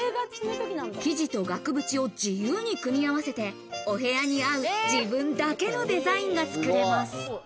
生地と額縁を自由に組み合わせて、お部屋に合う自分だけのデザインが作れます。